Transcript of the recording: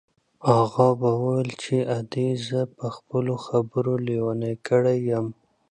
اغا به ویل چې ادې زه په خپلو خبرو لېونۍ کړې یم.